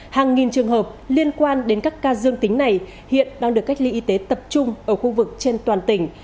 hàng nghìn trường hợp liên quan đến các ca dương tính này hiện đang được cách ly y tế tập trung ở khu vực trên toàn tỉnh